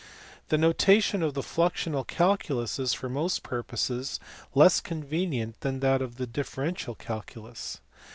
The notation of the fluxional calculus is for most purposes less convenient than that of the differential calculus.